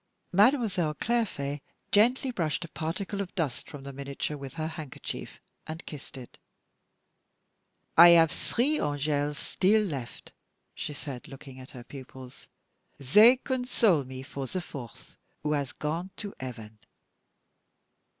Mademoiselle Clairfait gently brushed a particle of dust from the miniature with her handkerchief, and kissed it. "I have three angels still left," she said, looking at her pupils. "They console me for the fourth, who has gone to heaven."